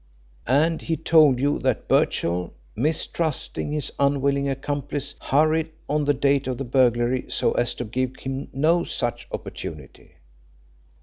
And he told you that Birchill, mistrusting his unwilling accomplice, hurried on the date of the burglary so as to give him no such opportunity.